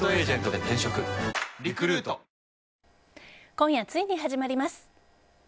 今夜ついに始まります。